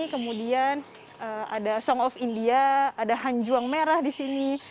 kemudian ada song of india ada hanjuang merah di sini